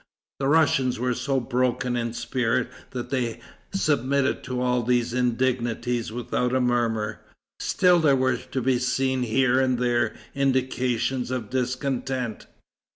The Russians were so broken in spirit that they submitted to all these indignities without a murmur. Still there were to be seen here and there indications of discontent.